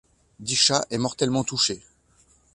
Dichat est mortellement touché.